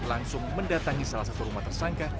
langsung mendatangi salah satu rumah tersangka